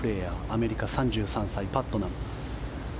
アメリカ、３３歳パットナム。